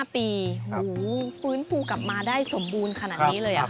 ๕ปีฟื้นฟูกลับมาได้สมบูรณ์ขนาดนี้เลย